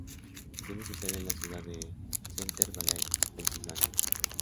Tiene su sede en la ciudad de Center Valley, Pensilvania.